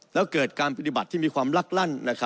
แล้วเกิดการปฏิบัติที่มีความลักลั่น